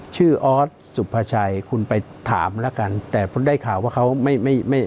ออสสุภาชัยคุณไปถามแล้วกันแต่ผมได้ข่าวว่าเขาไม่ไม่ไม่